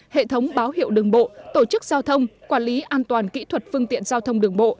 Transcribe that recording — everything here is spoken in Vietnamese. hệ thống báo hiệu đường bộ tổ chức giao thông quản lý an toàn kỹ thuật phương tiện giao thông đường bộ